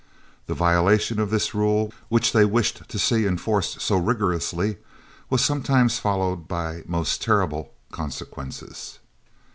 The violation of this rule, which they wished to see enforced so rigorously, was sometimes followed by most terrible consequences.